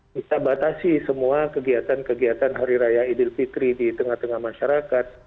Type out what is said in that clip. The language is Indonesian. kita batasi semua kegiatan kegiatan hari raya idul fitri di tengah tengah masyarakat